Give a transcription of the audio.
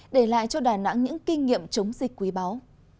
để lại cho đà nẵng những kinh nghiệm chống dịch quý báu